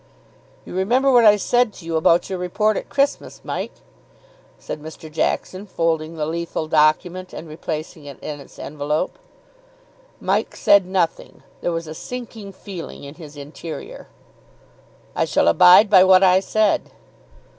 "You remember what I said to you about your report at Christmas, Mike?" said Mr. Jackson, folding the lethal document and replacing it in its envelope. Mike said nothing; there was a sinking feeling in his interior. "I shall abide by what I said."